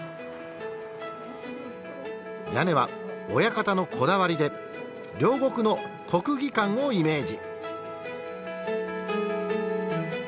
屋根は親方のこだわりで両国の国技館をイメージ。